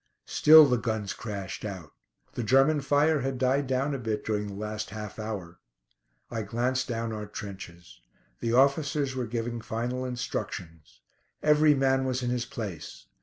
Still the guns crashed out. The German fire had died down a bit during the last half hour. I glanced down our trenches. The officers were giving final instructions. Every man was in his place.